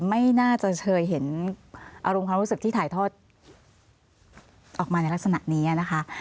ไม่น่าจะเคยเห็นอารมณ์ความรู้สึกที่ถ่ายทอดออกมาในลักษณะนี้นะคะ